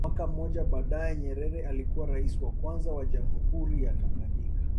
Mwaka mmoja baadae Nyerere alikuwa raisi wa kwanza wa jamhuri ya Tanganyika